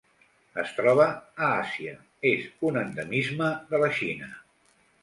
Es troba a Àsia: és un endemisme de la Xina.